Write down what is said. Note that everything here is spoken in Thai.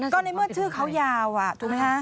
ก็ในเมื่อชื่อเขายาวถูกไหมฮะ